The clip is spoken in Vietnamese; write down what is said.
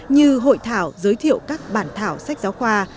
như hội thảo giới thiệu các bản thảo sách giáo khoa